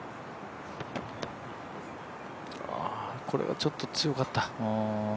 これはちょっと強かった。